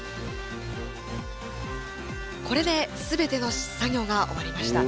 これで全ての作業が終わりました。